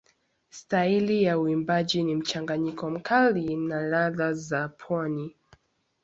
Staili ya uimbaji ni mchanganyiko mkali na ladha za pwani.